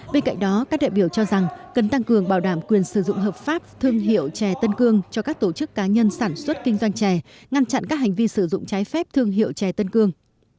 bên cạnh đó các đại biểu cho rằng cần tăng cường bảo đảm quyền sử dụng hợp pháp thương hiệu chè tân cương cho các tổ chức cá nhân sản xuất kinh doanh chè ngăn chặn các hành vi sử dụng trái phép thương hiệu chè tân cương